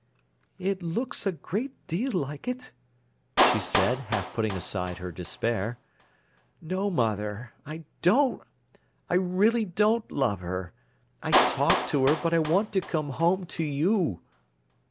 "It looks a great deal like it," she said, half putting aside her despair. "No, mother—I really don't love her. I talk to her, but I want to come home to you."